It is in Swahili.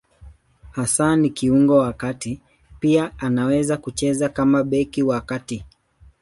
Hasa ni kiungo wa kati; pia anaweza kucheza kama beki wa kati.